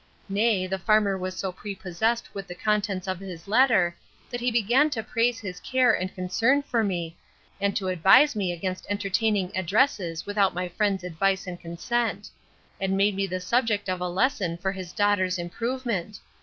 Nay, the farmer was so prepossessed with the contents of his letter, that he began to praise his care and concern for me, and to advise me against entertaining addresses without my friends' advice and consent; and made me the subject of a lesson for his daughter's improvement.